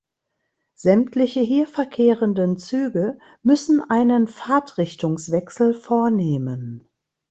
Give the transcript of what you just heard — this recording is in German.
Sämtliche hier verkehrenden Züge müssen einen Fahrtrichtungswechsel vornehmen.